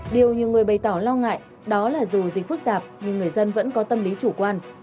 điều nhiều người bày tỏ lo ngại đó là dù dịch phức tạp nhưng người dân vẫn có tâm lý chủ quan